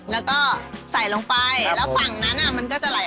แล้วก็ใส่ลงไปแล้วฝั่งนั้นมันก็จะไหล